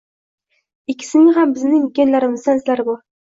Ikkisining ham bizning genlarimizda izlari bor.